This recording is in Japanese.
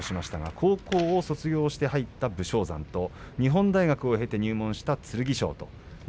高校を卒業して入った武将山と日本大学を経て入門した剣翔。